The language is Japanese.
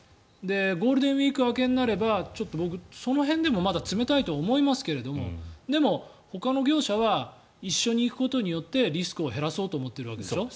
ゴールデンウィーク明けになれば僕はその辺でもまだ冷たいと思いますけどでも、ほかの業者は一緒に行くことによってリスクを減らそうと思っているわけでしょ。